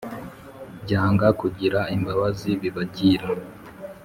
byanga kugira imbabazi bibagira